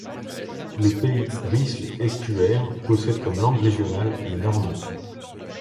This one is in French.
Le pays Risle-Estuaire, possède comme langue régionale le normand.